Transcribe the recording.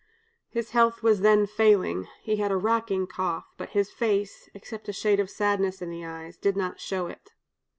His health was then failing, he had a racking cough, but his face, except a shade of sadness in the eyes, did not show it.